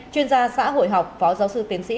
chuyên gia xã hội học phó giáo sư tiến sĩ